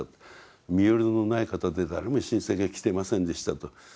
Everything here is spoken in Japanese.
身寄りのない方で誰も親戚が来ていませんでした」と。